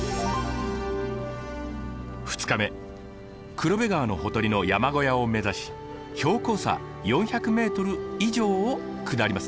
黒部川のほとりの山小屋を目指し標高差４００ｍ以上を下ります。